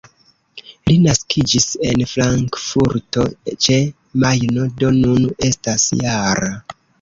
Li naskiĝis en Frankfurto ĉe Majno, do nun estas -jara.